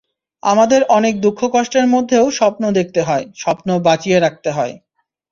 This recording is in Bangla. আমাদের অনেক দুঃখ-কষ্টের মধ্যেও স্বপ্ন দেখতে হয়, স্বপ্ন বাঁচিয়ে রাখতে হয়।